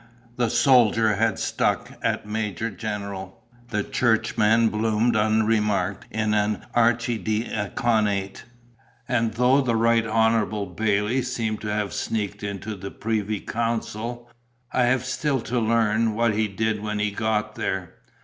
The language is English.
The soldier had stuck at Major General; the churchman bloomed unremarked in an archidiaconate; and though the Right Honourable Bailley seemed to have sneaked into the privy council, I have still to learn what he did when he had got there.